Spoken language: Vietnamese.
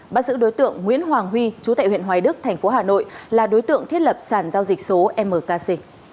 bắt giữ đối tượng nguyễn hoàng huy chú tại huyện hoài đức thành phố hà nội là đối tượng thiết lập sản giao dịch số mkc